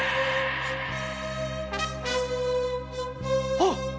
あっ！